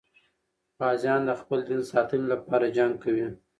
غازیان د خپل دین ساتنې لپاره جنګ کوي.